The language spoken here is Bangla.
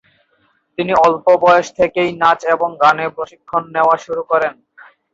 তিনি অল্প বয়স থেকেই নাচ এবং গানে প্রশিক্ষণ নেওয়া শুরু করেন।